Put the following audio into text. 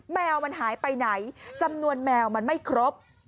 แมวมันหายไปไหนจำนวนแมวมันไม่ครบ